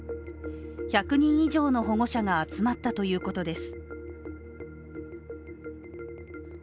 １００人以上の保護者が集まったということです。